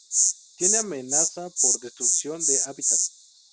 Tiene amenaza por destrucción de hábitat.